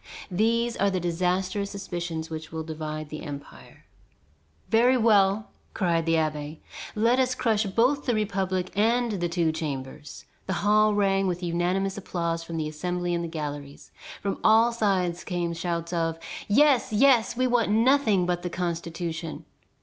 These are the disastrous suspicions which divide the empire. "Very well!" cried the abbé, "let us crush both the republic and the Two Chambers." The hall rang with unanimous applause from the Assembly and the galleries. From all sides came shouts of "Yes, yes, we want nothing but the Constitution."